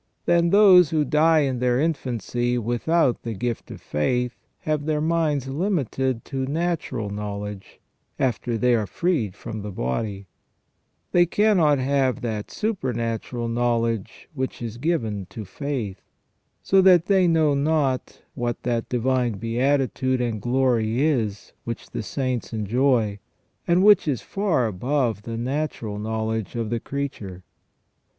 Then, those who die in their infancy without the gift of faith have their minds limited to natural knowledge after they are freed from the body; they cannot have that supernatural knowledge which is given to faith, so that they know not what that divine beatitude and glory is which the saints enjoy, and which is far above the natural know ledge of the creature.